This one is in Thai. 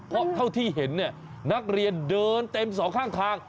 เพราะเท่าที่เห็นนักเรียนเดินเต็มสองข้าง